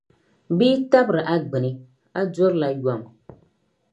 Bɛ yi tabiri a gbini, a durila yom.